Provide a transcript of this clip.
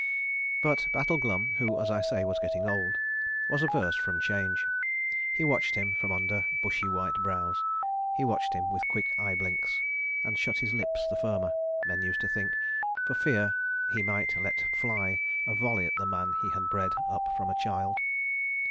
But Battle Glum, who, as I say, was getting old, was averse from change. He watched him from under bushy white brows, he watched him with quick eye blinks, and shut his lips the firmer, men used to think, for fear he might let fly a volley at the man he had bred up from a child.